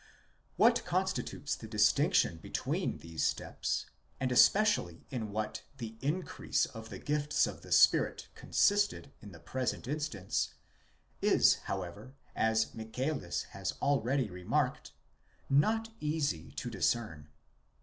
14 What constitutes the distinction between these steps, and especially in what the increase of the gifts of the Spirit con sisted in the present instance, is, however, as Michaelis has already remarked, not easy to discern.